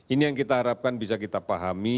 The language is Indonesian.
ini yang kita harapkan bisa kita pahami